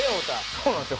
そうなんですよ